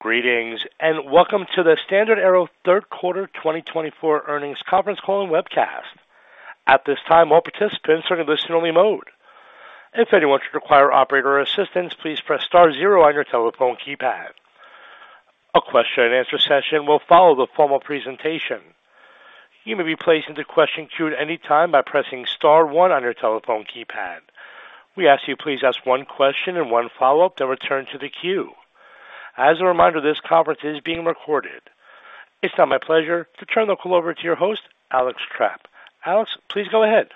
Greetings and welcome to the StandardAero Third Quarter 2024 Earnings Conference Call and Webcast. At this time, all participants are in listen-only mode. If anyone should require operator assistance, please press star zero on your telephone keypad. A question-and-answer session will follow the formal presentation. You may be placed into question queue at any time by pressing star one on your telephone keypad. We ask that you please ask one question and one follow-up, then return to the queue. As a reminder, this conference is being recorded. It's now my pleasure to turn the call over to your host, Alex Trapp. Alex, please go ahead.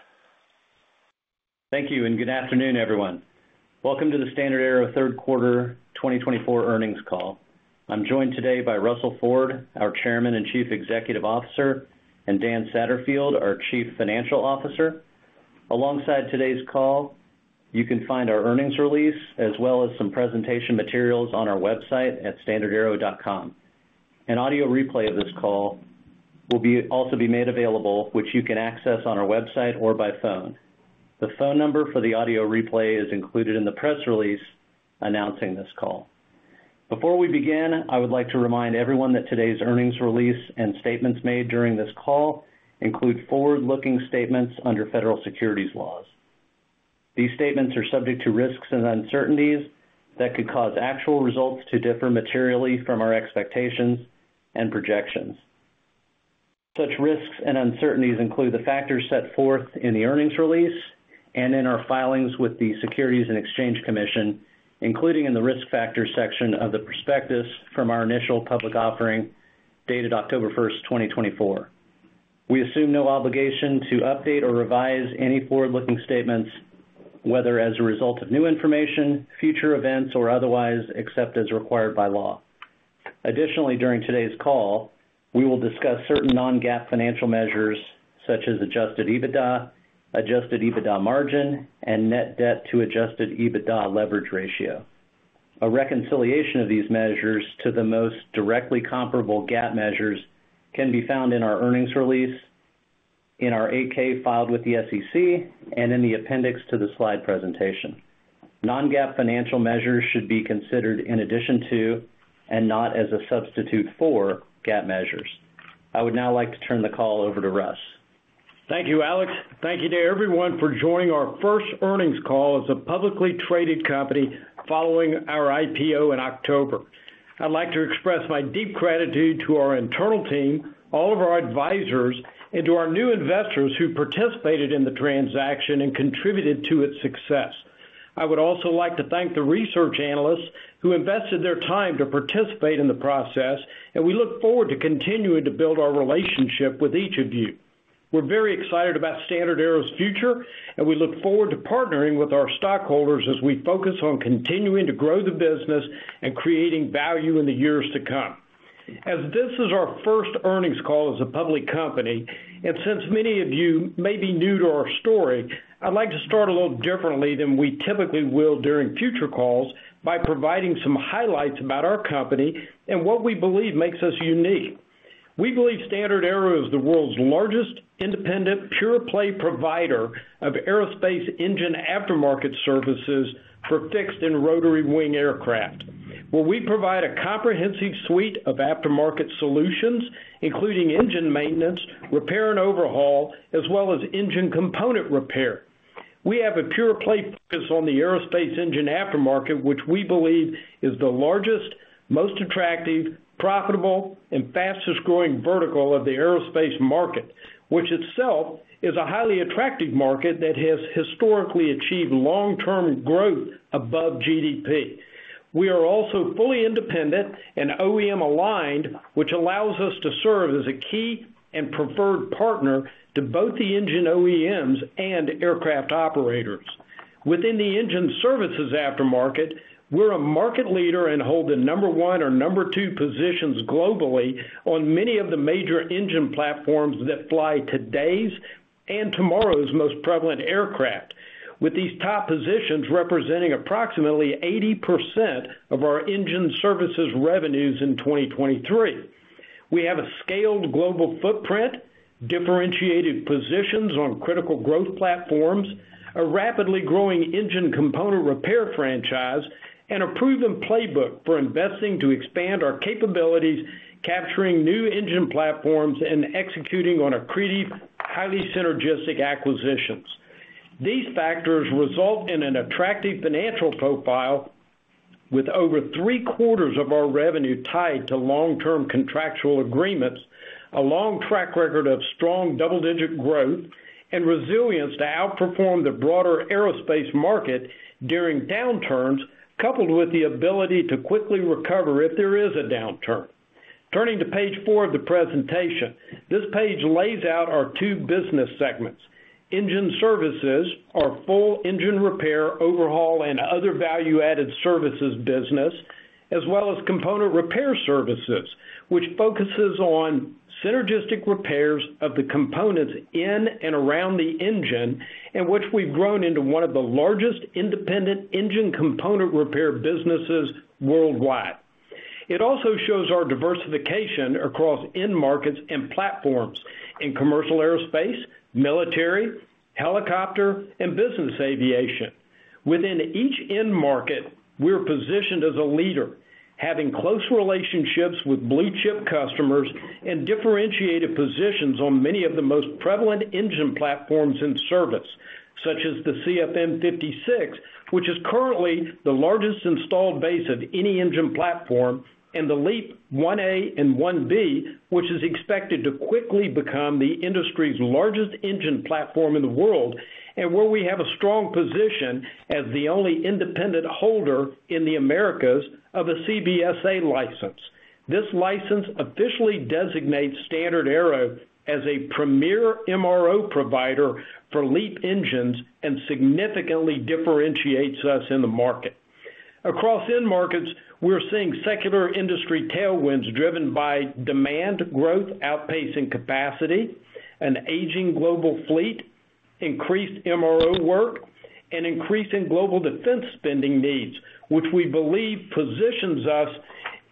Thank you and good afternoon, everyone. Welcome to the StandardAero third quarter 2024 earnings call. I'm joined today by Russell Ford, our Chairman and Chief Executive Officer, and Dan Satterfield, our Chief Financial Officer. Alongside today's call, you can find our earnings release as well as some presentation materials on our website at standardaero.com. An audio replay of this call will also be made available, which you can access on our website or by phone. The phone number for the audio replay is included in the press release announcing this call. Before we begin, I would like to remind everyone that today's earnings release and statements made during this call include forward-looking statements under federal securities laws. These statements are subject to risks and uncertainties that could cause actual results to differ materially from our expectations and projections. Such risks and uncertainties include the factors set forth in the earnings release and in our filings with the Securities and Exchange Commission, including in the risk factors section of the prospectus from our initial public offering dated October 1st, 2024. We assume no obligation to update or revise any forward-looking statements, whether as a result of new information, future events, or otherwise accepted as required by law. Additionally, during today's call, we will discuss certain non-GAAP financial measures such as Adjusted EBITDA, Adjusted EBITDA margin, and net debt to Adjusted EBITDA leverage ratio. A reconciliation of these measures to the most directly comparable GAAP measures can be found in our earnings release, in our 8-K filed with the SEC, and in the appendix to the slide presentation. Non-GAAP financial measures should be considered in addition to and not as a substitute for GAAP measures. I would now like to turn the call over to Russ. Thank you, Alex. Thank you to everyone for joining our first earnings call as a publicly traded company following our IPO in October. I'd like to express my deep gratitude to our internal team, all of our advisors, and to our new investors who participated in the transaction and contributed to its success. I would also like to thank the research analysts who invested their time to participate in the process, and we look forward to continuing to build our relationship with each of you. We're very excited about StandardAero's future, and we look forward to partnering with our stockholders as we focus on continuing to grow the business and creating value in the years to come. As this is our first earnings call as a public company, and since many of you may be new to our story, I'd like to start a little differently than we typically will during future calls by providing some highlights about our company and what we believe makes us unique. We believe StandardAero is the world's largest independent pure-play provider of aerospace engine aftermarket services for fixed and rotary wing aircraft. We provide a comprehensive suite of aftermarket solutions, including engine maintenance, repair, and overhaul, as well as engine component repair. We have a pure-play focus on the aerospace engine aftermarket, which we believe is the largest, most attractive, profitable, and fastest-growing vertical of the aerospace market, which itself is a highly attractive market that has historically achieved long-term growth above GDP. We are also fully independent and OEM-aligned, which allows us to serve as a key and preferred partner to both the engine OEMs and aircraft operators. Within the engine services aftermarket, we're a market leader and hold the number one or number two positions globally on many of the major engine platforms that fly today's and tomorrow's most prevalent aircraft, with these top positions representing approximately 80% of our engine services revenues in 2023. We have a scaled global footprint, differentiated positions on critical growth platforms, a rapidly growing engine component repair franchise, and a proven playbook for investing to expand our capabilities, capturing new engine platforms, and executing on accredited, highly synergistic acquisitions. These factors result in an attractive financial profile, with over three-quarters of our revenue tied to long-term contractual agreements, a long track record of strong double-digit growth, and resilience to outperform the broader aerospace market during downturns, coupled with the ability to quickly recover if there is a downturn. Turning to page four of the presentation, this page lays out our two business segments: engine services, our full engine repair, overhaul, and other value-added services business, as well as component repair services, which focuses on synergistic repairs of the components in and around the engine, and which we've grown into one of the largest independent engine component repair businesses worldwide. It also shows our diversification across end markets and platforms in commercial aerospace, military, helicopter, and business aviation. Within each end market, we're positioned as a leader, having close relationships with blue-chip customers and differentiated positions on many of the most prevalent engine platforms in service, such as the CFM56, which is currently the largest installed base of any engine platform, and the LEAP-1A and LEAP-1B, which is expected to quickly become the industry's largest engine platform in the world, and where we have a strong position as the only independent holder in the Americas of a CBSA license. This license officially designates StandardAero as a premier MRO provider for LEAP engines and significantly differentiates us in the market. Across end markets, we're seeing secular industry tailwinds driven by demand growth outpacing capacity, an aging global fleet, increased MRO work, and increasing global defense spending needs, which we believe positions us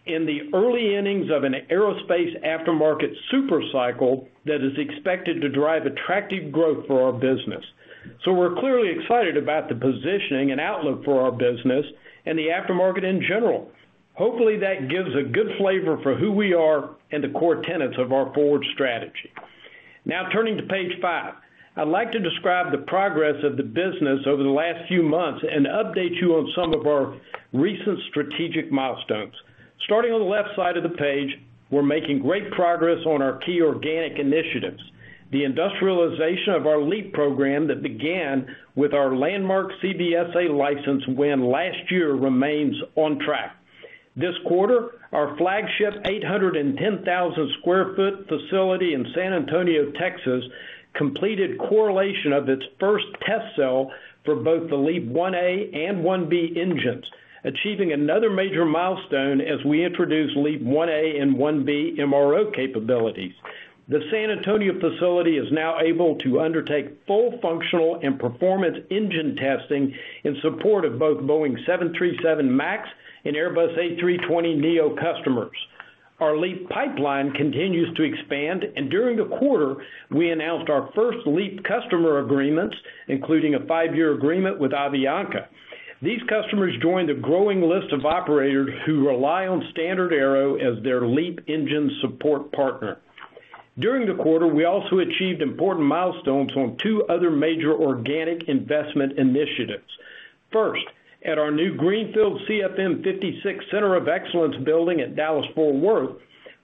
in the early innings of an aerospace aftermarket supercycle that is expected to drive attractive growth for our business. So we're clearly excited about the positioning and outlook for our business and the aftermarket in general. Hopefully, that gives a good flavor for who we are and the core tenets of our forward strategy. Now, turning to page five, I'd like to describe the progress of the business over the last few months and update you on some of our recent strategic milestones. Starting on the left side of the page, we're making great progress on our key organic initiatives. The industrialization of our LEAP program that began with our landmark CBSA license win last year remains on track. This quarter, our flagship 810,000 sq ft facility in San Antonio, Texas, completed correlation of its first test cell for both the LEAP-1A and LEAP-1B engines, achieving another major milestone as we introduce LEAP-1A and LEAP-1B MRO capabilities. The San Antonio facility is now able to undertake full functional and performance engine testing in support of both Boeing 737 MAX and Airbus A320neo customers. Our LEAP pipeline continues to expand, and during the quarter, we announced our first LEAP customer agreements, including a five-year agreement with Avianca. These customers join the growing list of operators who rely on StandardAero as their LEAP engine support partner. During the quarter, we also achieved important milestones on two other major organic investment initiatives. First, at our new greenfield CFM56 Center of Excellence building at Dallas-Fort Worth,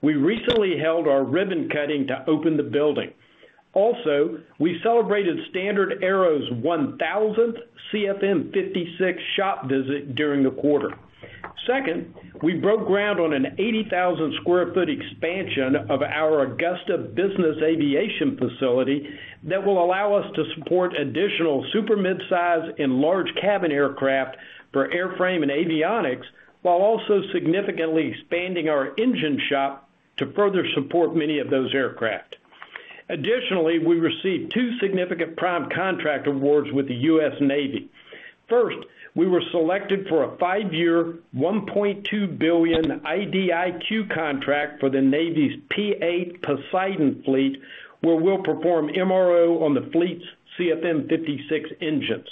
we recently held our ribbon cutting to open the building. Also, we celebrated StandardAero's 1,000th CFM56 shop visit during the quarter. Second, we broke ground on an 80,000 sq ft expansion of our Augusta business aviation facility that will allow us to support additional super mid-size and large cabin aircraft for airframe and avionics, while also significantly expanding our engine shop to further support many of those aircraft. Additionally, we received two significant prime contract awards with the U.S. Navy. First, we were selected for a five-year $1.2 billion IDIQ contract for the Navy's P-8 Poseidon fleet, where we'll perform MRO on the fleet's CFM56 engines.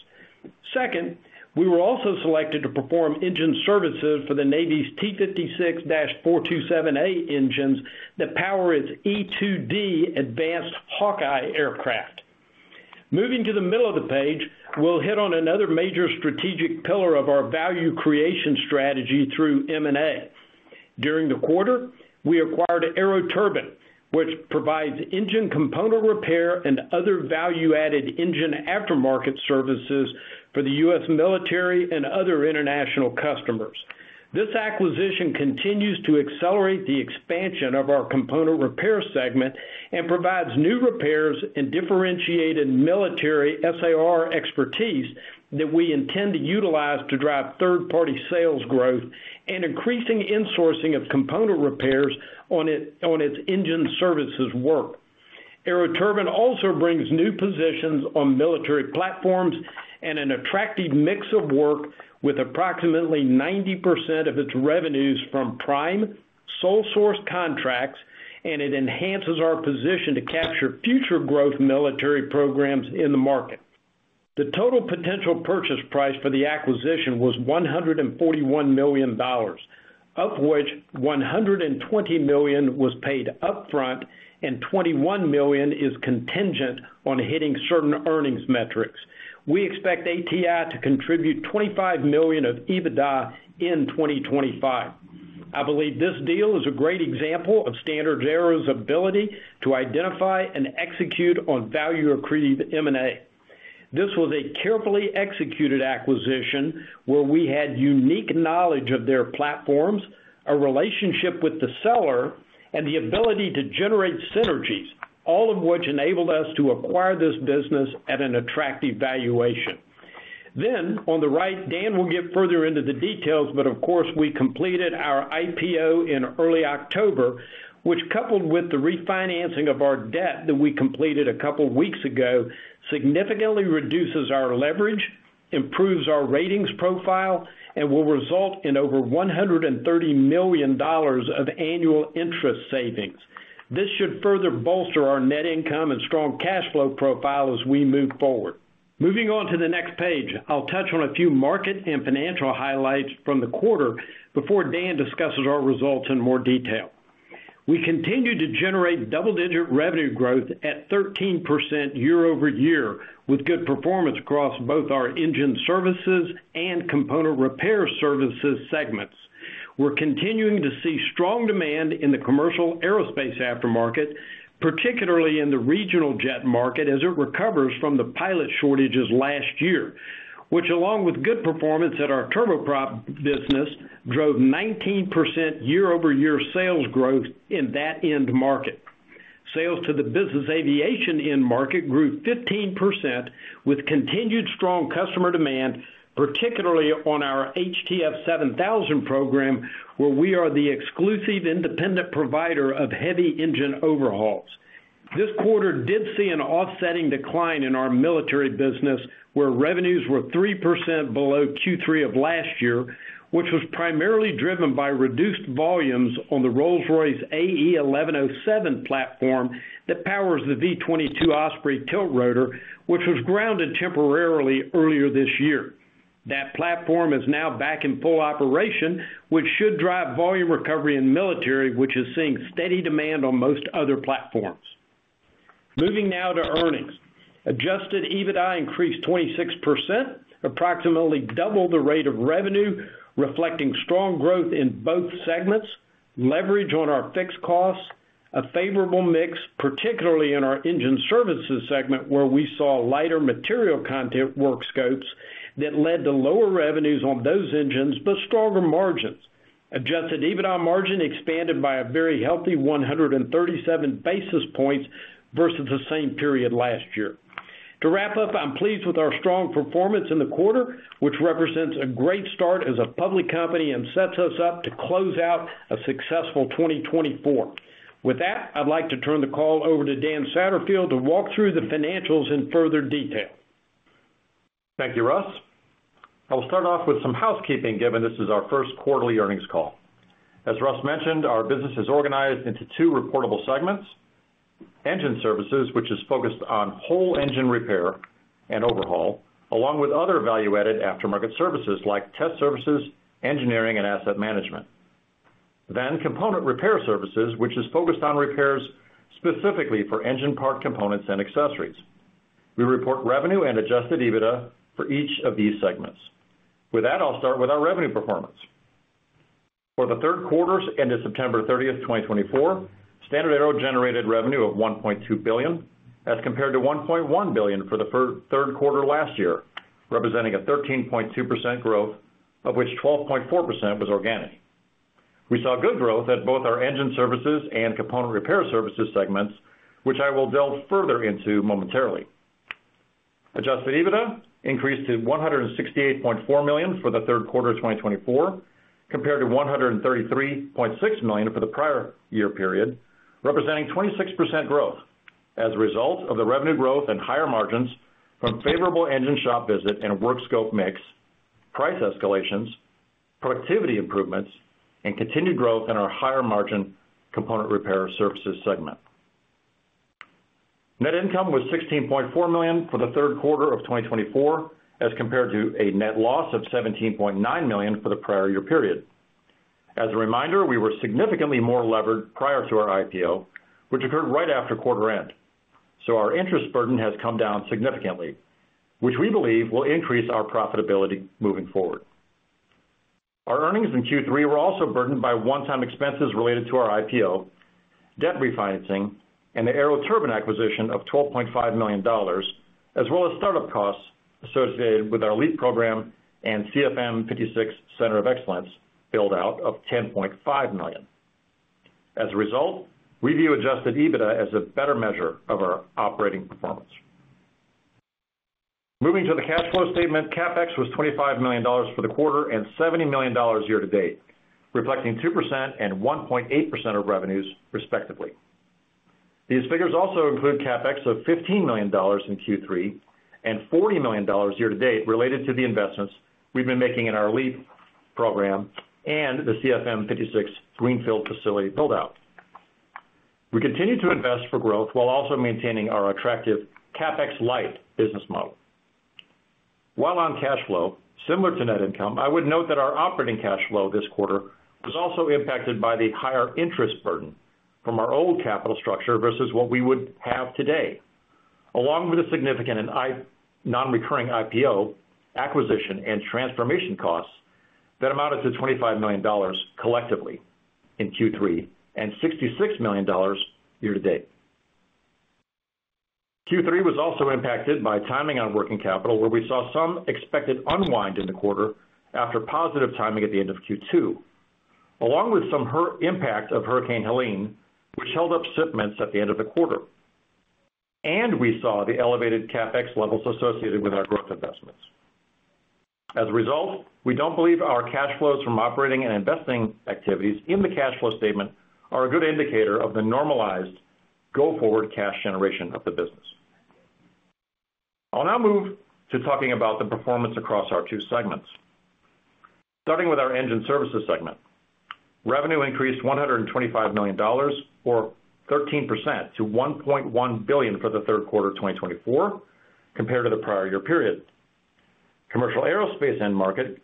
Second, we were also selected to perform engine services for the Navy's T56-A-427A engines that power its E-2D Advanced Hawkeye aircraft. Moving to the middle of the page, we'll hit on another major strategic pillar of our value creation strategy through M&A. During the quarter, we acquired Aero Turbine, which provides engine component repair and other value-added engine aftermarket services for the U.S. military and other international customers. This acquisition continues to accelerate the expansion of our component repair segment and provides new repairs and differentiated military SAR expertise that we intend to utilize to drive third-party sales growth and increasing insourcing of component repairs on its engine services work. Aero Turbine also brings new positions on military platforms and an attractive mix of work with approximately 90% of its revenues from prime sole-source contracts, and it enhances our position to capture future growth military programs in the market. The total potential purchase price for the acquisition was $141 million, of which $120 million was paid upfront and $21 million is contingent on hitting certain earnings metrics. We expect ATI to contribute $25 million of EBITDA in 2025. I believe this deal is a great example of StandardAero's ability to identify and execute on value-accretive M&A. This was a carefully executed acquisition where we had unique knowledge of their platforms, a relationship with the seller, and the ability to generate synergies, all of which enabled us to acquire this business at an attractive valuation. Then, on the right, Dan will get further into the details, but of course, we completed our IPO in early October, which, coupled with the refinancing of our debt that we completed a couple of weeks ago, significantly reduces our leverage, improves our ratings profile, and will result in over $130 million of annual interest savings. This should further bolster our net income and strong cash flow profile as we move forward. Moving on to the next page, I'll touch on a few market and financial highlights from the quarter before Dan discusses our results in more detail. We continue to generate double-digit revenue growth at 13% year-over-year, with good performance across both our Engine Services and Component Repair Services segments. We're continuing to see strong demand in the commercial aerospace aftermarket, particularly in the regional jet market, as it recovers from the pilot shortages last year, which, along with good performance at our turboprop business, drove 19% year-over-year sales growth in that end market. Sales to the business aviation end market grew 15%, with continued strong customer demand, particularly on our HTF7000 program, where we are the exclusive independent provider of heavy engine overhauls. This quarter did see an offsetting decline in our military business, where revenues were 3% below Q3 of last year, which was primarily driven by reduced volumes on the Rolls-Royce AE 1107 platform that powers the V-22 Osprey tiltrotor, which was grounded temporarily earlier this year. That platform is now back in full operation, which should drive volume recovery in military, which is seeing steady demand on most other platforms. Moving now to earnings. Adjusted EBITDA increased 26%, approximately double the rate of revenue, reflecting strong growth in both segments, leverage on our fixed costs, a favorable mix, particularly in our engine services segment, where we saw lighter material content work scopes that led to lower revenues on those engines, but stronger margins. Adjusted EBITDA margin expanded by a very healthy 137 basis points versus the same period last year. To wrap up, I'm pleased with our strong performance in the quarter, which represents a great start as a public company and sets us up to close out a successful 2024. With that, I'd like to turn the call over to Dan Satterfield to walk through the financials in further detail. Thank you, Russ. I'll start off with some housekeeping, given this is our first quarterly earnings call. As Russ mentioned, our business is organized into two reportable segments: Engine Services, which is focused on whole engine repair and overhaul, along with other value-added aftermarket services like test services, engineering, and asset management, then Component Repair Services, which is focused on repairs specifically for engine part components and accessories. We report revenue and adjusted EBITDA for each of these segments. With that, I'll start with our revenue performance. For the third quarter's end of September 30th, 2024, StandardAero generated revenue of $1.2 billion, as compared to $1.1 billion for the third quarter last year, representing a 13.2% growth, of which 12.4% was organic. We saw good growth at both our Engine Services and Component Repair Services segments, which I will delve further into momentarily. Adjusted EBITDA increased to $168.4 million for the third quarter of 2024, compared to $133.6 million for the prior year period, representing 26% growth as a result of the revenue growth and higher margins from favorable engine shop visit and work scope mix, price escalations, productivity improvements, and continued growth in our higher margin component repair services segment. Net income was $16.4 million for the third quarter of 2024, as compared to a net loss of $17.9 million for the prior year period. As a reminder, we were significantly more levered prior to our IPO, which occurred right after quarter end. So our interest burden has come down significantly, which we believe will increase our profitability moving forward. Our earnings in Q3 were also burdened by one-time expenses related to our IPO, debt refinancing, and the Aero Turbine acquisition of $12.5 million, as well as startup costs associated with our LEAP program and CFM56 Center of Excellence build-out of $10.5 million. As a result, we view Adjusted EBITDA as a better measure of our operating performance. Moving to the cash flow statement, CapEx was $25 million for the quarter and $70 million year-to-date, reflecting 2% and 1.8% of revenues, respectively. These figures also include CapEx of $15 million in Q3 and $40 million year to date related to the investments we've been making in our LEAP program and the CFM56 Greenfield facility build-out. We continue to invest for growth while also maintaining our attractive CapEx light business model. While on cash flow, similar to net income, I would note that our operating cash flow this quarter was also impacted by the higher interest burden from our old capital structure versus what we would have today, along with a significant and non-recurring IPO acquisition and transformation costs that amounted to $25 million collectively in Q3 and $66 million year to date. Q3 was also impacted by timing on working capital, where we saw some expected unwind in the quarter after positive timing at the end of Q2, along with some impact of Hurricane Helene, which held up shipments at the end of the quarter, and we saw the elevated CapEx levels associated with our growth investments. As a result, we don't believe our cash flows from operating and investing activities in the cash flow statement are a good indicator of the normalized go forward cash generation of the business. I'll now move to talking about the performance across our two segments. Starting with our engine services segment, revenue increased $125 million, or 13%, to $1.1 billion for the third quarter of 2024, compared to the prior year period. Commercial aerospace end market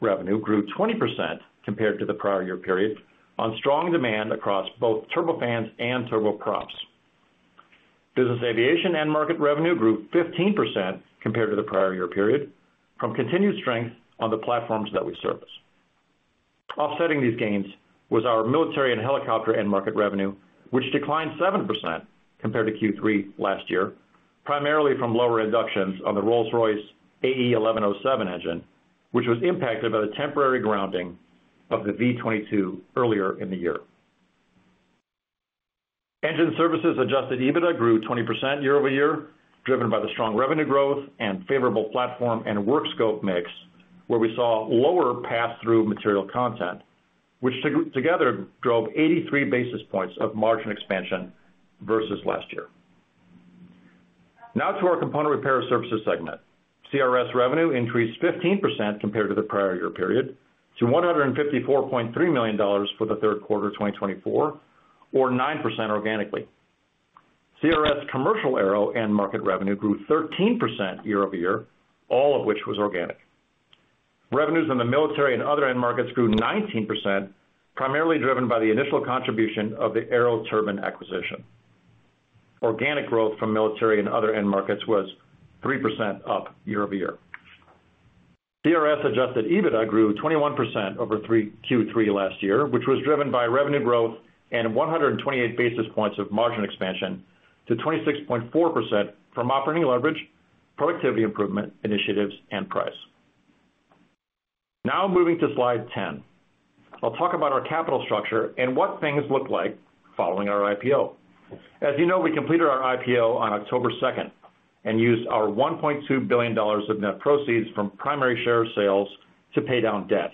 revenue grew 20% compared to the prior year period on strong demand across both turbofans and turboprops. Business aviation end market revenue grew 15% compared to the prior year period from continued strength on the platforms that we service. Offsetting these gains was our military and helicopter end market revenue, which declined 7% compared to Q3 last year, primarily from lower reductions on the Rolls-Royce AE 1107 engine, which was impacted by the temporary grounding of the V-22 earlier in the year. Engine Services Adjusted EBITDA grew 20% year-over-year, driven by the strong revenue growth and favorable platform and work scope mix, where we saw lower pass-through material content, which together drove 83 basis points of margin expansion versus last year. Now to our Component Repair Services segment. CRS revenue increased 15% compared to the prior year period to $154.3 million for the third quarter of 2024, or 9% organically. CRS commercial aero end market revenue grew 13% year-over-year, all of which was organic. Revenues in the military and other end markets grew 19%, primarily driven by the initial contribution of the Aero Turbine acquisition. Organic growth from military and other end markets was 3% up year-over-year. CRS Adjusted EBITDA grew 21% over Q3 last year, which was driven by revenue growth and 128 basis points of margin expansion to 26.4% from operating leverage, productivity improvement initiatives, and price. Now moving to slide 10, I'll talk about our capital structure and what things look like following our IPO. As you know, we completed our IPO on October 2nd and used our $1.2 billion of net proceeds from primary share sales to pay down debt,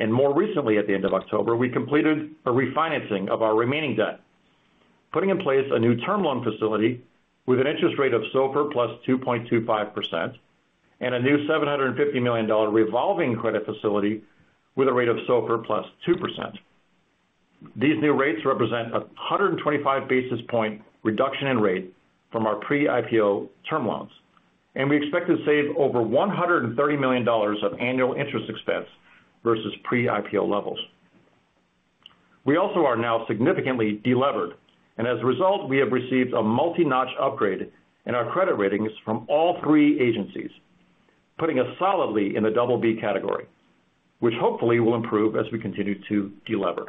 and more recently, at the end of October, we completed a refinancing of our remaining debt, putting in place a new term loan facility with an interest rate of SOFR plus 2.25% and a new $750 million revolving credit facility with a rate of SOFR plus 2%. These new rates represent a 125 basis point reduction in rate from our pre-IPO term loans, and we expect to save over $130 million of annual interest expense versus pre-IPO levels. We also are now significantly delevered, and as a result, we have received a multi-notch upgrade in our credit ratings from all three agencies, putting us solidly in the BB category, which hopefully will improve as we continue to delever.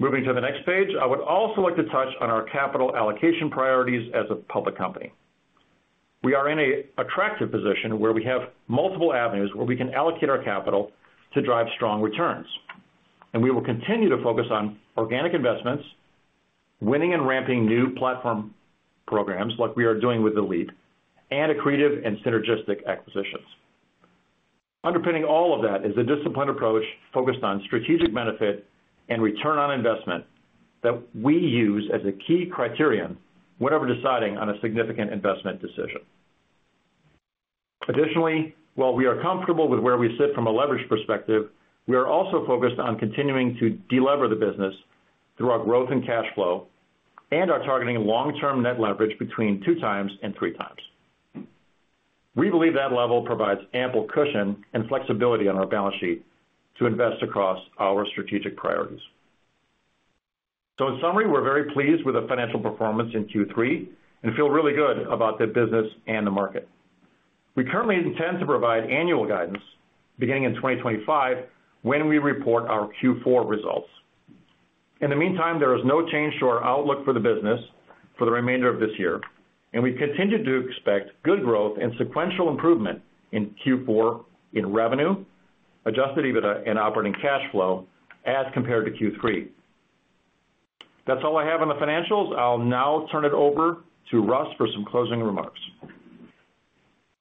Moving to the next page, I would also like to touch on our capital allocation priorities as a public company. We are in an attractive position where we have multiple avenues where we can allocate our capital to drive strong returns, and we will continue to focus on organic investments, winning and ramping new platform programs like we are doing with the LEAP, and accretive and synergistic acquisitions. Underpinning all of that is a disciplined approach focused on strategic benefit and return on investment that we use as a key criterion whenever deciding on a significant investment decision. Additionally, while we are comfortable with where we sit from a leverage perspective, we are also focused on continuing to delever the business through our growth and cash flow and our targeting long-term net leverage between two times and three times. We believe that level provides ample cushion and flexibility on our balance sheet to invest across our strategic priorities. So in summary, we're very pleased with the financial performance in Q3 and feel really good about the business and the market. We currently intend to provide annual guidance beginning in 2025 when we report our Q4 results. In the meantime, there is no change to our outlook for the business for the remainder of this year, and we continue to expect good growth and sequential improvement in Q4 in revenue, Adjusted EBITDA, and operating cash flow as compared to Q3. That's all I have on the financials. I'll now turn it over to Russ for some closing remarks.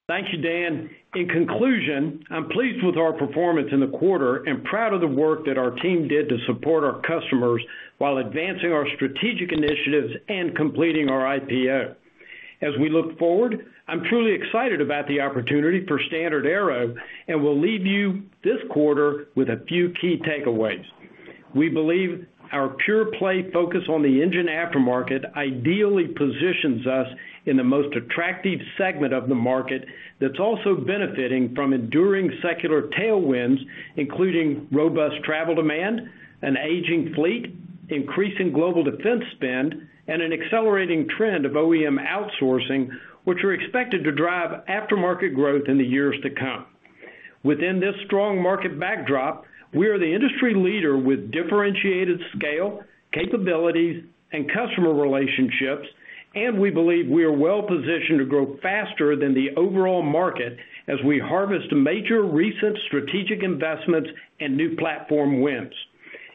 Thank you, Dan. In conclusion, I'm pleased with our performance in the quarter and proud of the work that our team did to support our customers while advancing our strategic initiatives and completing our IPO. As we look forward, I'm truly excited about the opportunity for StandardAero and will leave you this quarter with a few key takeaways. We believe our pure-play focus on the engine aftermarket ideally positions us in the most attractive segment of the market that's also benefiting from enduring secular tailwinds, including robust travel demand, an aging fleet, increasing global defense spend, and an accelerating trend of OEM outsourcing, which are expected to drive aftermarket growth in the years to come. Within this strong market backdrop, we are the industry leader with differentiated scale, capabilities, and customer relationships, and we believe we are well positioned to grow faster than the overall market as we harvest major recent strategic investments and new platform wins.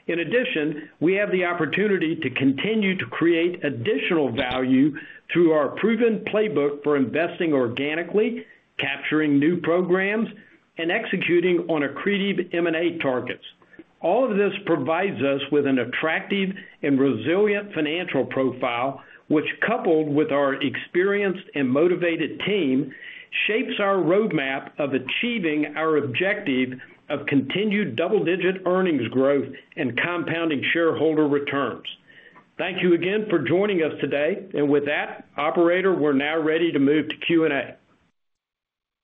In addition, we have the opportunity to continue to create additional value through our proven playbook for investing organically, capturing new programs, and executing on accretive M&A targets. All of this provides us with an attractive and resilient financial profile, which, coupled with our experienced and motivated team, shapes our roadmap of achieving our objective of continued double-digit earnings growth and compounding shareholder returns. Thank you again for joining us today. And with that, operator, we're now ready to move to Q&A.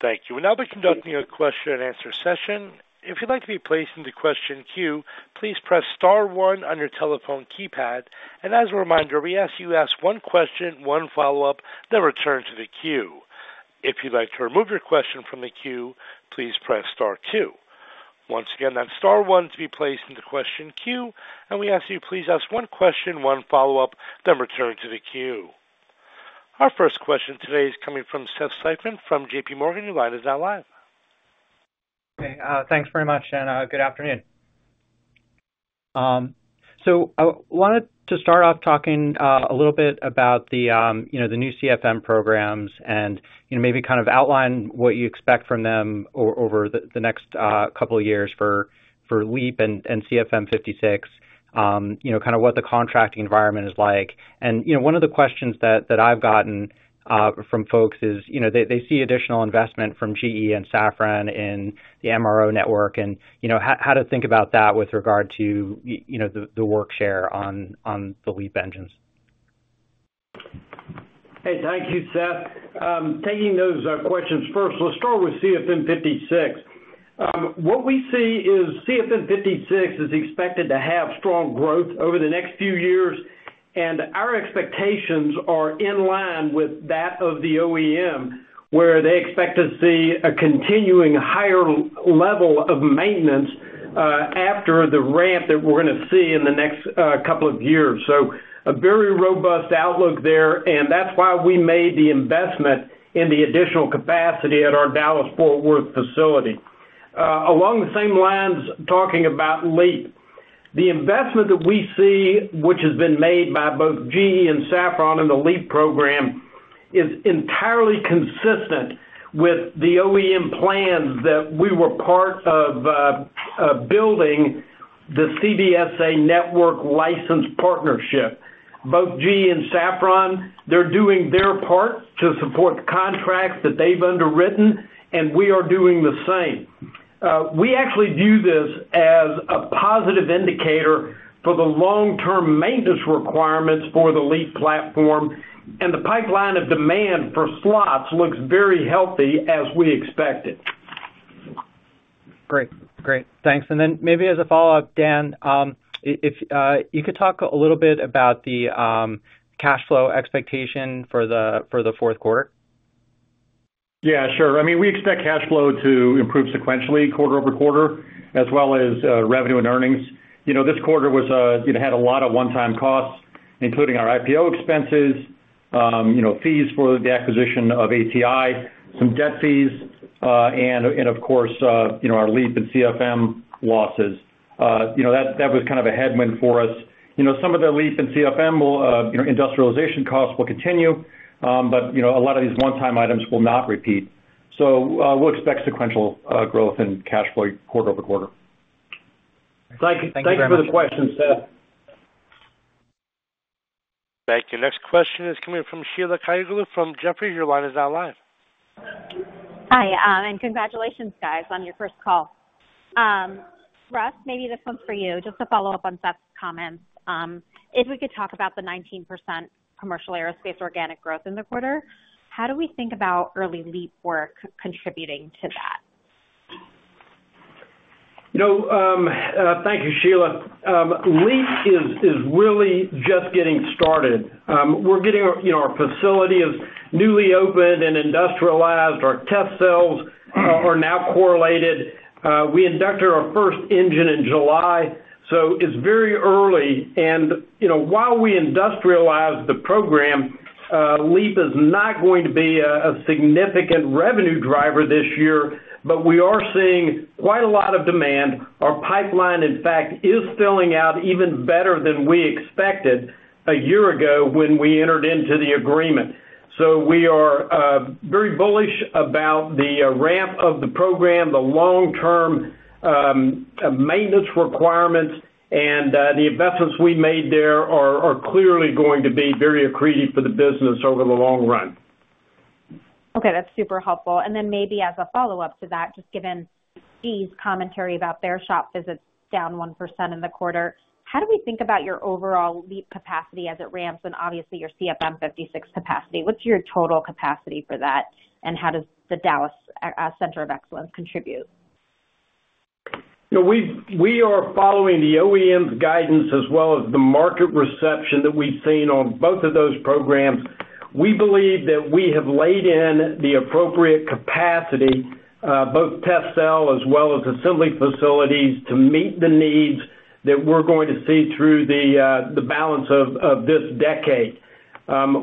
Thank you. Now, conducting a question and answer session. If you'd like to be placed in the question queue, please press star one on your telephone keypad. And as a reminder, we ask you to ask one question, one follow-up, then return to the queue. If you'd like to remove your question from the queue, please press star two. Once again, that's star one to be placed in the question queue. And we ask you to please ask one question, one follow-up, then return to the queue. Our first question today is coming from Seth Seifman from JPMorgan. Your line is now live. Okay. Thanks very much, and good afternoon, so I wanted to start off talking a little bit about the new CFM programs and maybe kind of outline what you expect from them over the next couple of years for LEAP and CFM56, kind of what the contracting environment is like, and one of the questions that I've gotten from folks is they see additional investment from GE and Safran in the MRO network and how to think about that with regard to the work share on the LEAP engines. Hey, thank you, Seth. Taking those questions first, let's start with CFM56. What we see is CFM56 is expected to have strong growth over the next few years, and our expectations are in line with that of the OEM, where they expect to see a continuing higher level of maintenance after the ramp that we're going to see in the next couple of years. So a very robust outlook there, and that's why we made the investment in the additional capacity at our Dallas-Fort Worth facility. Along the same lines, talking about LEAP, the investment that we see, which has been made by both GE and Safran in the LEAP program, is entirely consistent with the OEM plans that we were part of building the CBSA network license partnership. Both GE and Safran, they're doing their part to support the contracts that they've underwritten, and we are doing the same. We actually view this as a positive indicator for the long-term maintenance requirements for the LEAP platform, and the pipeline of demand for slots looks very healthy as we expected. Great. Great. Thanks. And then maybe as a follow-up, Dan, if you could talk a little bit about the cash flow expectation for the fourth quarter. Yeah, sure. I mean, we expect cash flow to improve sequentially quarter over quarter, as well as revenue and earnings. This quarter had a lot of one-time costs, including our IPO expenses, fees for the acquisition of ATI, some debt fees, and of course, our LEAP and CFM losses. That was kind of a headwind for us. Some of the LEAP and CFM industrialization costs will continue, but a lot of these one-time items will not repeat. So we'll expect sequential growth in cash flow quarter over quarter. Thanks for the question, Seth. Thank you. Next question is coming from Sheila Kahyaoglu from Jefferies. Your line is now live. Hi. And congratulations, guys, on your first call. Russ, maybe this one's for you. Just to follow up on Seth's comments, if we could talk about the 19% commercial aerospace organic growth in the quarter, how do we think about early LEAP work contributing to that? Thank you, Sheila. LEAP is really just getting started. We're getting our facility is newly opened and industrialized. Our test cells are now correlated. We inducted our first engine in July, so it's very early. And while we industrialize the program, LEAP is not going to be a significant revenue driver this year, but we are seeing quite a lot of demand. Our pipeline, in fact, is filling out even better than we expected a year ago when we entered into the agreement. So we are very bullish about the ramp of the program, the long-term maintenance requirements, and the investments we made there are clearly going to be very accretive for the business over the long run. Okay. That's super helpful. And then maybe as a follow-up to that, just given GE's commentary about their shop visits down 1% in the quarter, how do we think about your overall LEAP capacity as it ramps and obviously your CFM56 capacity? What's your total capacity for that, and how does the Dallas Center of Excellence contribute? We are following the OEM's guidance as well as the market reception that we've seen on both of those programs. We believe that we have laid in the appropriate capacity, both test cell as well as assembly facilities, to meet the needs that we're going to see through the balance of this decade.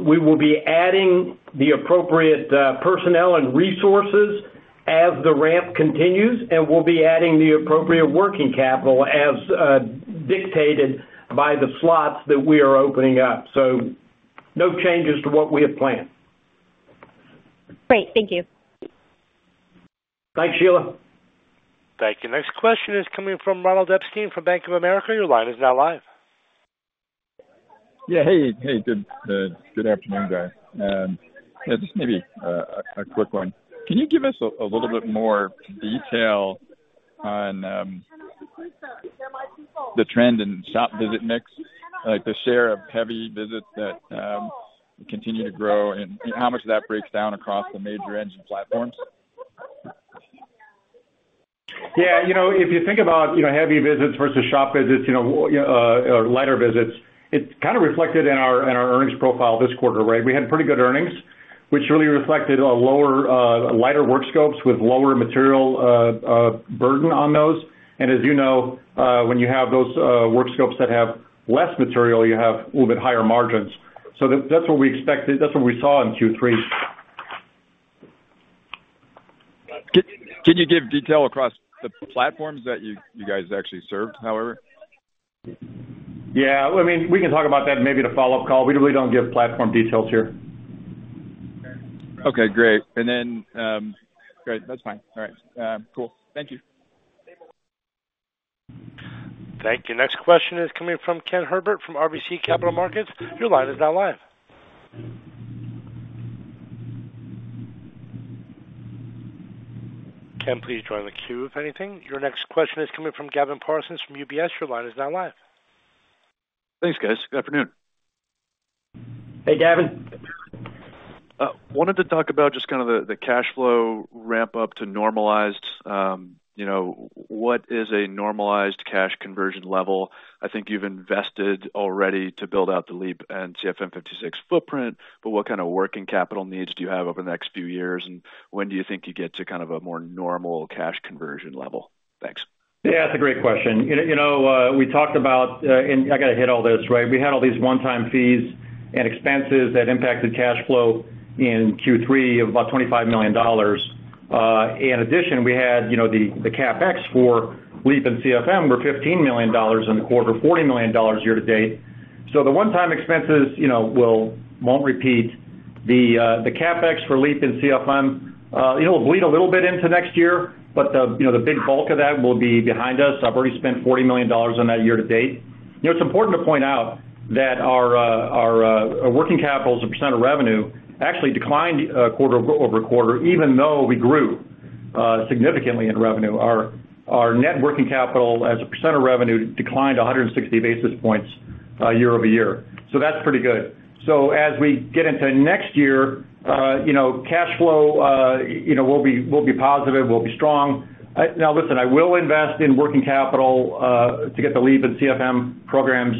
We will be adding the appropriate personnel and resources as the ramp continues, and we'll be adding the appropriate working capital as dictated by the slots that we are opening up. So no changes to what we have planned. Great. Thank you. Thanks, Sheila. Thank you. Next question is coming from Ronald Epstein from Bank of America. Your line is now live. Yeah. Hey. Hey. Good afternoon, guys. This may be a quick one. Can you give us a little bit more detail on the trend in shop visit mix, the share of heavy visits that continue to grow, and how much that breaks down across the major engine platforms? Yeah. If you think about heavy visits versus shop visits or lighter visits, it's kind of reflected in our earnings profile this quarter, right? We had pretty good earnings, which really reflected lighter work scopes with lower material burden on those. And as you know, when you have those work scopes that have less material, you have a little bit higher margins. So that's what we expected. That's what we saw in Q3. Can you give detail across the platforms that you guys actually served, however? Yeah. I mean, we can talk about that maybe in a follow-up call. We really don't give platform details here. Okay. Great. And then great. That's fine. All right. Cool. Thank you. Thank you. Next question is coming from Ken Herbert from RBC Capital Markets. Your line is now live. Ken, please join the queue if anything. Your next question is coming from Gavin Parsons from UBS. Your line is now live. Thanks, guys. Good afternoon. Hey, Gavin. Wanted to talk about just kind of the cash flow ramp up to normalized. What is a normalized cash conversion level? I think you've invested already to build out the LEAP and CFM56 footprint, but what kind of working capital needs do you have over the next few years, and when do you think you get to kind of a more normal cash conversion level? Thanks. Yeah. That's a great question. We talked about and I got to hit all this, right? We had all these one-time fees and expenses that impacted cash flow in Q3 of about $25 million. In addition, we had the CapEx for LEAP and CFM56 were $15 million in the quarter, $40 million year to date. So the one-time expenses won't repeat. The CapEx for LEAP and CFM will bleed a little bit into next year, but the big bulk of that will be behind us. I've already spent $40 million on that year to date. It's important to point out that our working capital as a percent of revenue actually declined quarter over quarter, even though we grew significantly in revenue. Our net working capital as a percent of revenue declined 160 basis points year-over-year. So that's pretty good. So as we get into next year, cash flow will be positive. We'll be strong. Now, listen, I will invest in working capital to get the LEAP and CFM programs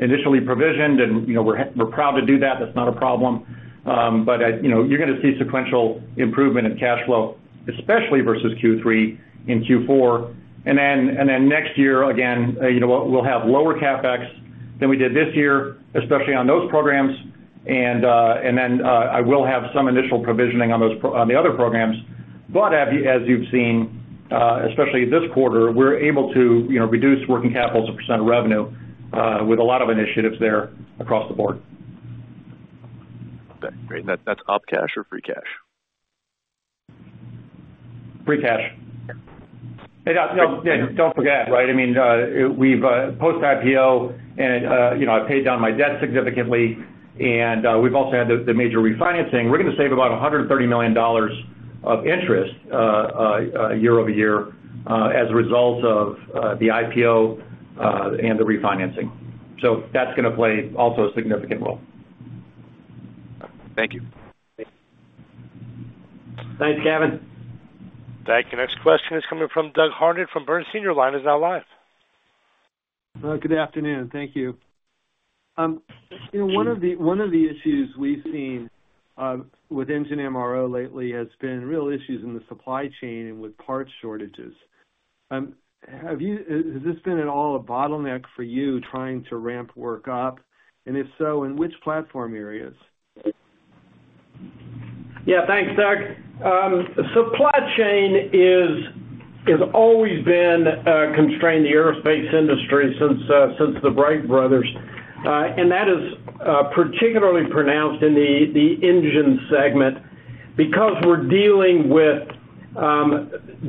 initially provisioned, and we're proud to do that. That's not a problem. But you're going to see sequential improvement in cash flow, especially versus Q3 and Q4. Then next year, again, we'll have lower CapEx than we did this year, especially on those programs. And then I will have some initial provisioning on the other programs. But as you've seen, especially this quarter, we're able to reduce working capital as a % of revenue with a lot of initiatives there across the board. Okay. Great. And that's op cash or free cash? Free cash. And don't forget, right? I mean, we've post-IPO, and I've paid down my debt significantly. And we've also had the major refinancing. We're going to save about $130 million of interest year-over-year as a result of the IPO and the refinancing. So that's going to play also a significant role. Thank you. Thanks, Gavin. Thank you. Next question is coming from Doug Harned from Bernstein. Your line is now live. Good afternoon. Thank you. One of the issues we've seen with engine MRO lately has been real issues in the supply chain and with parts shortages. Has this been at all a bottleneck for you trying to ramp work up, and if so, in which platform areas? Yeah. Thanks, Doug. Supply chain has always been a constraint in the aerospace industry since the Wright brothers, and that is particularly pronounced in the engine segment because we're dealing with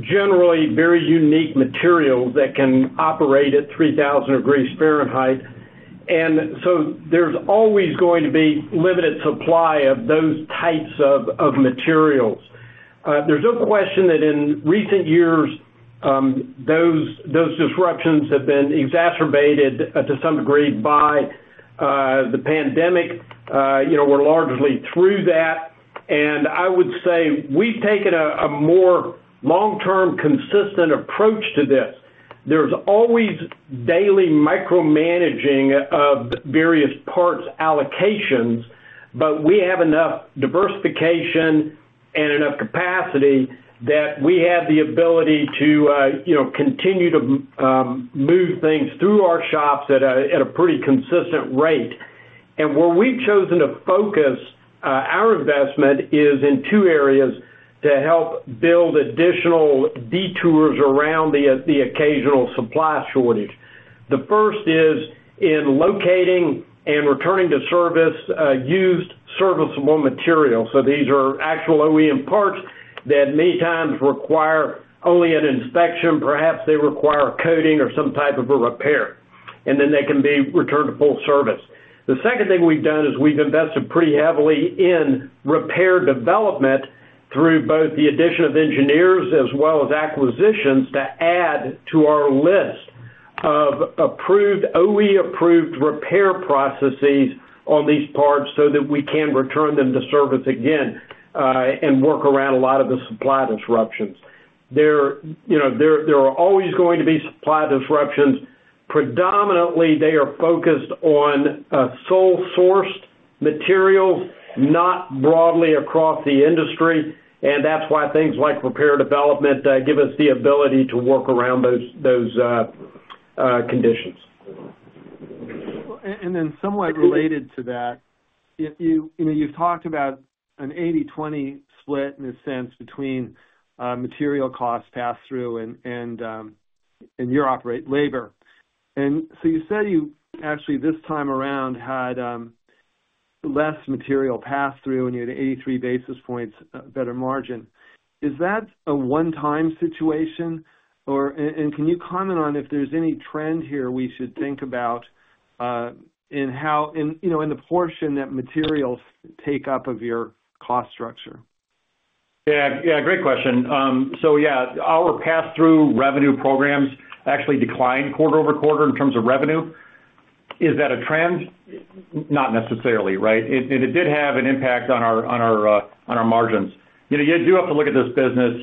generally very unique materials that can operate at 3,000 degrees Fahrenheit, and so there's always going to be limited supply of those types of materials. There's no question that in recent years, those disruptions have been exacerbated to some degree by the pandemic. We're largely through that, and I would say we've taken a more long-term consistent approach to this. There's always daily micromanaging of various parts allocations, but we have enough diversification and enough capacity that we have the ability to continue to move things through our shops at a pretty consistent rate, and where we've chosen to focus our investment is in two areas to help build additional detours around the occasional supply shortage. The first is in locating and returning to service used serviceable materials, so these are actual OEM parts that many times require only an inspection. Perhaps they require coating or some type of a repair, and then they can be returned to full service. The second thing we've done is we've invested pretty heavily in repair development through both the addition of engineers as well as acquisitions to add to our list of approved OEM-approved repair processes on these parts so that we can return them to service again and work around a lot of the supply disruptions. There are always going to be supply disruptions. Predominantly, they are focused on sole-sourced materials, not broadly across the industry. And that's why things like repair development give us the ability to work around those conditions. And then somewhat related to that, you've talked about an 80/20 split in a sense between material cost pass-through and your labor. And so you said you actually this time around had less material pass-through, and you had 83 basis points better margin. Is that a one-time situation? Can you comment on if there's any trend here we should think about in the portion that materials take up of your cost structure? Yeah. Yeah. Great question. Yeah, our pass-through revenue programs actually declined quarter over quarter in terms of revenue. Is that a trend? Not necessarily, right? It did have an impact on our margins. You do have to look at this business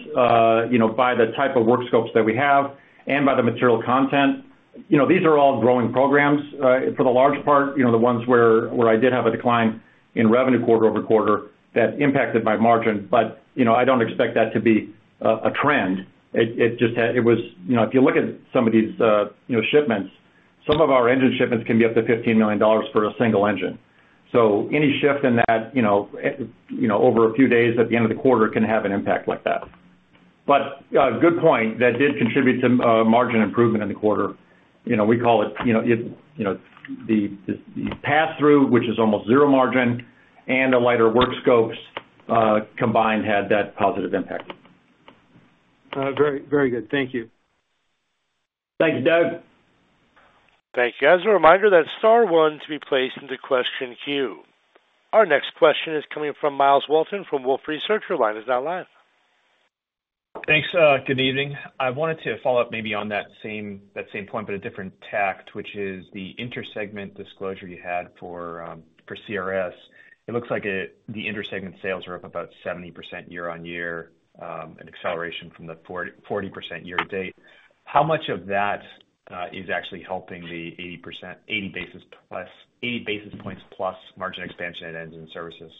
by the type of work scopes that we have and by the material content. These are all growing programs. For the large part, the ones where I did have a decline in revenue quarter over quarter that impacted my margin, but I don't expect that to be a trend. It was if you look at some of these shipments, some of our engine shipments can be up to $15 million for a single engine. So any shift in that over a few days at the end of the quarter can have an impact like that. But good point. That did contribute to margin improvement in the quarter. We call it the pass-through, which is almost zero margin, and the lighter work scopes combined had that positive impact. Very good. Thank you. Thanks, Doug. Thank you. As a reminder, that's star one to be placed into the question queue. Our next question is coming from Miles Walton from Wolfe Research. Your line is now live. Thanks. Good evening. I wanted to follow up maybe on that same point, but a different tack, which is the inter-segment disclosure you had for CRS. It looks like the inter-segment sales are up about 70% year-on-year, an acceleration from the 40% year to date. How much of that is actually helping the 80 basis points plus margin expansion in engine services?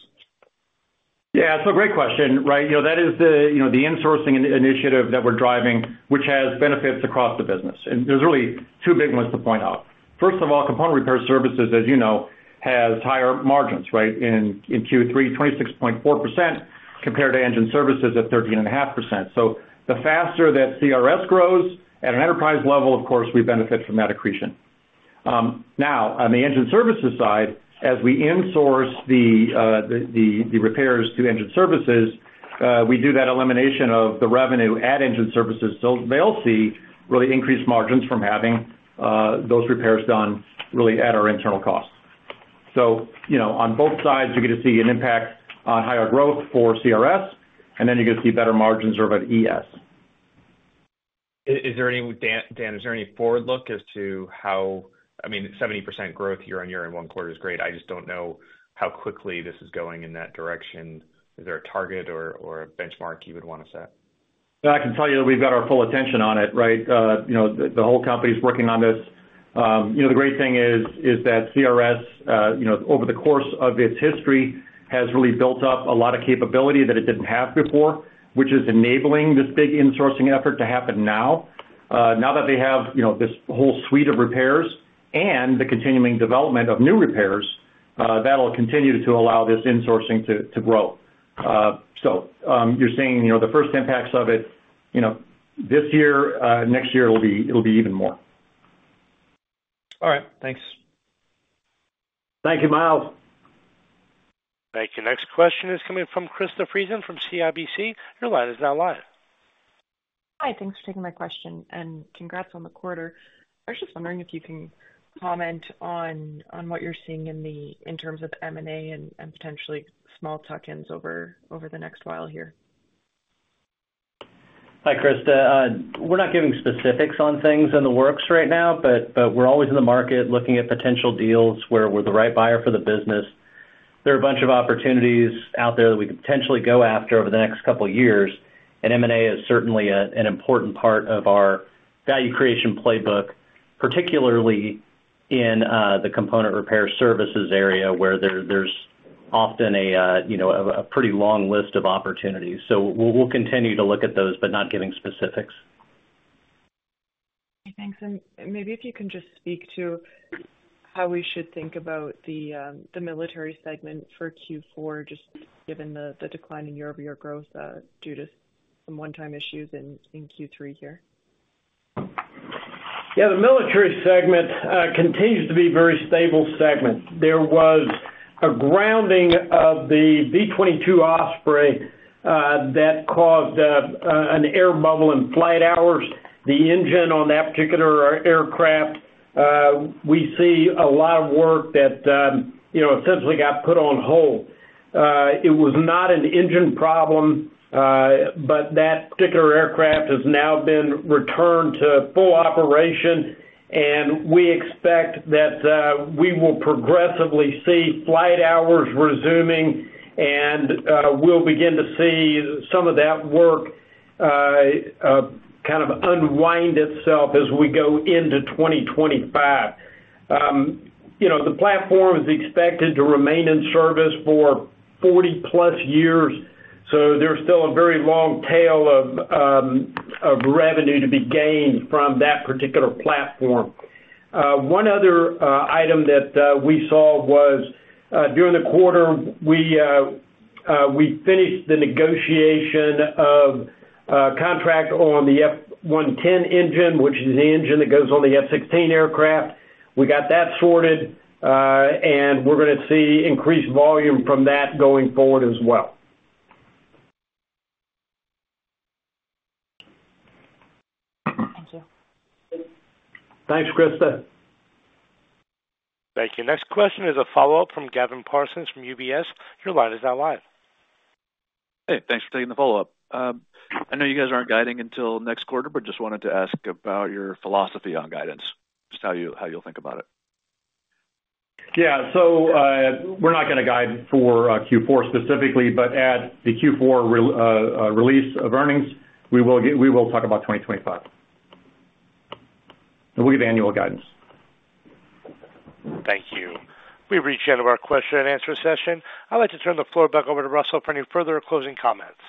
Yeah. That's a great question, right? That is the insourcing initiative that we're driving, which has benefits across the business. And there's really two big ones to point out. First of all, component repair services, as you know, has higher margins, right, in Q3, 26.4% compared to engine services at 13.5%. So the faster that CRS grows at an enterprise level, of course, we benefit from that accretion. Now, on the engine services side, as we insource the repairs to engine services, we do that elimination of the revenue at engine services. So they'll see really increased margins from having those repairs done really at our internal costs. So on both sides, you're going to see an impact on higher growth for CRS, and then you're going to see better margins over at ES. Is there any forward look as to how, I mean, 70% growth year-on-year in one quarter is great. I just don't know how quickly this is going in that direction. Is there a target or a benchmark you would want to set? I can tell you that we've got our full attention on it, right? The whole company is working on this. The great thing is that CRS, over the course of its history, has really built up a lot of capability that it didn't have before, which is enabling this big insourcing effort to happen now. Now that they have this whole suite of repairs and the continuing development of new repairs, that'll continue to allow this insourcing to grow. So you're seeing the first impacts of it this year. Next year, it'll be even more. All right. Thanks. Thank you, Miles. Thank you. Next question is coming from Krista Friesen from CIBC. Your line is now live. Hi. Thanks for taking my question. And congrats on the quarter. I was just wondering if you can comment on what you're seeing in terms of M&A and potentially small tuck-ins over the next while here. Hi, Krista. We're not giving specifics on things in the works right now, but we're always in the market looking at potential deals where we're the right buyer for the business. There are a bunch of opportunities out there that we could potentially go after over the next couple of years. And M&A is certainly an important part of our value creation playbook, particularly in the component repair services area where there's often a pretty long list of opportunities. So we'll continue to look at those, but not giving specifics. Thanks. And maybe if you can just speak to how we should think about the military segment for Q4, just given the decline in year-over-year growth due to some one-time issues in Q3 here. Yeah. The military segment continues to be a very stable segment. There was a grounding of the V-22 Osprey that caused an air bubble in flight hours. The engine on that particular aircraft, we see a lot of work that essentially got put on hold. It was not an engine problem, but that particular aircraft has now been returned to full operation. and we expect that we will progressively see flight hours resuming, and we'll begin to see some of that work kind of unwind itself as we go into 2025. The platform is expected to remain in service for 40-plus years. So there's still a very long tail of revenue to be gained from that particular platform. One other item that we saw was during the quarter, we finished the negotiation of contract on the F110 engine, which is the engine that goes on the F-16 aircraft. We got that sorted, and we're going to see increased volume from that going forward as well. Thank you. Thanks, Krista. Thank you. Next question is a follow-up from Gavin Parsons from UBS. Your line is now live. Hey. Thanks for taking the follow-up. I know you guys aren't guiding until next quarter, but just wanted to ask about your philosophy on guidance, just how you'll think about it. Yeah. So we're not going to guide for Q4 specifically, but at the Q4 release of earnings, we will talk about 2025, and we'll give annual guidance. Thank you. We've reached the end of our question and answer session. I'd like to turn the floor back over to Russell for any further closing comments.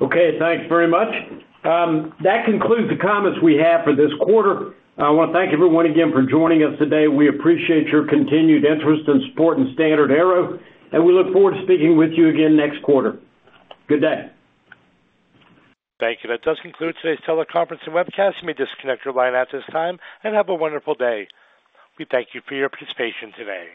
Okay. Thanks very much. That concludes the comments we have for this quarter. I want to thank everyone again for joining us today. We appreciate your continued interest and support in StandardAero, and we look forward to speaking with you again next quarter. Good day. Thank you. That does conclude today's teleconference and webcast. You may disconnect your line at this time and have a wonderful day. We thank you for your participation today.